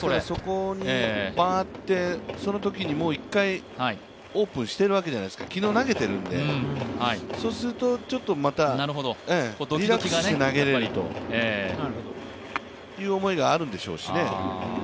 そこに回って、そのときにもう１回オープンしているわけじゃないですか、昨日投げてるんで、そうするとちょっとまたリラックスして投げれるという思いがあるんでしょうしね。